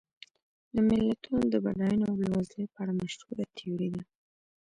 د ملتونو د بډاینې او بېوزلۍ په اړه مشهوره تیوري ده.